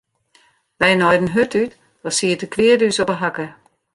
Wy naaiden hurd út as siet de kweade ús op 'e hakke.